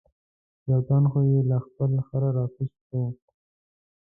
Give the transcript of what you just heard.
یو تن خو یې له خپل خره را کوز شو.